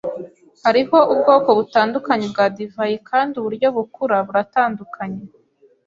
Hariho ubwoko butandukanye bwa divayi kandi uburyo bukura buratandukanye.